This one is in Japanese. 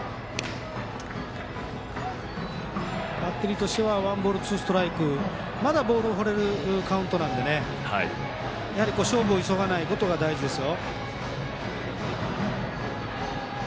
バッテリーとしてはワンボール、ツーストライクとまだボールを放れるので勝負を急がないことが大事ですよ。